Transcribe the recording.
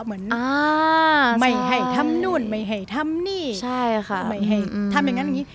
ไม่ให้ทำนู่นไม่ให้ทำนี่ไม่ให้ทำอย่างนั้นอย่างนี้